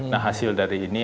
nah hasil dari ini